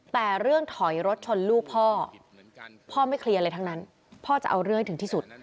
แต่เรื่องถอยรถชนลูกพ่อพ่อไม่เคลียร์อะไรทั้งนั้นพ่อจะเอาเรื่องให้ถึงที่สุด